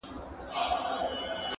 پلار دزویه حرام غواړي نه شرمېږي,